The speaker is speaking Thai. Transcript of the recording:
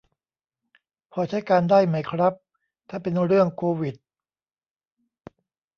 พอใช้การได้ไหมครับ ถ้าเป็นเรื่องโควิด